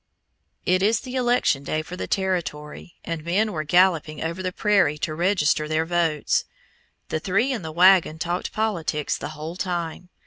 It is the election day for the Territory, and men were galloping over the prairie to register their votes. The three in the wagon talked politics the whole time.